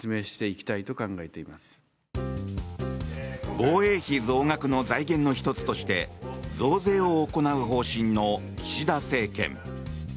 防衛費増額の財源の１つとして増税を行う方針の岸田政権。